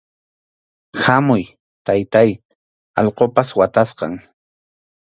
¡Hampuy, taytáy, allqupas watasqam!